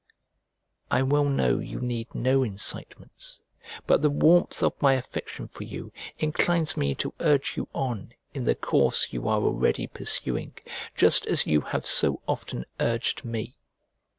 I well know you need no incitements, but the warmth of my affection for you inclines me to urge you on in the course you are already pursuing, just as you have so often urged me.